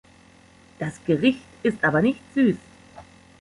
Das Gericht ist aber nicht süß.